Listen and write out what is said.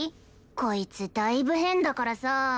こいつだいぶ変だからさ。